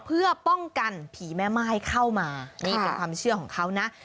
เพื่อป้องกันผีแม่ม่ายเข้ามานี่เป็นความเชื่อของเขานะ